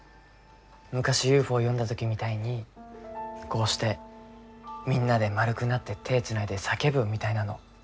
昔ＵＦＯ呼んだ時みたいにこうしてみんなで円くなって手つないで叫ぶみたいなの。